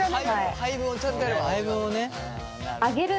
配分をちゃんとやればね。